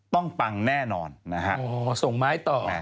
ต้องปังแน่นอนนะครับ